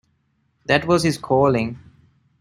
That was his calling.